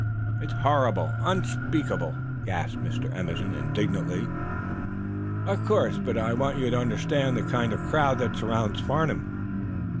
"It's horrible unspeakable!" gasped Mr. Emerson, indignantly. "Of course. But I want you to understand the kind of crowd that surrounds Farnum.